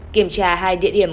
kiểm tra hai địa điểm